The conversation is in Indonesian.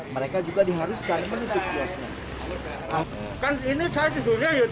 mereka juga diharuskan menutup bosnya